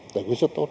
giải quyết rất tốt